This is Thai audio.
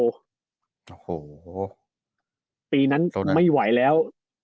โอ้โหตรงนั้นปีนั้นไม่ไหวแล้ว